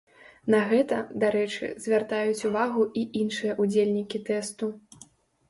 На гэта, дарэчы, звяртаюць увагу і іншыя ўдзельнікі тэсту.